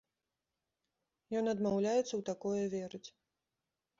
Ён адмаўляецца ў такое верыць.